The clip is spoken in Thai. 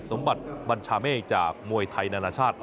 สมบัติบัญชาเมฆจากมวยไทยนานาชาติ